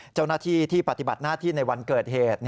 เจ้าหน้าที่ที่ปฏิบัติหน้าที่ในวันเกิดเหตุ